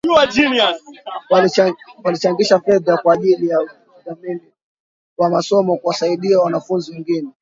Walichangisha fedha kwa ajili ya udhamini wa masomo kuwasaidia wanafunzi wengine